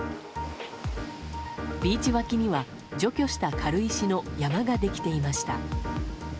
ビーチ脇には、除去した軽石の山ができていました。